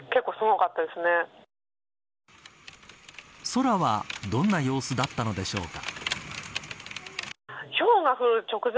空はどんな様子だったのでしょうか。